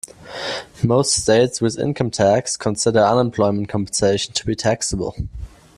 Most states with income tax consider unemployment compensation to be taxable.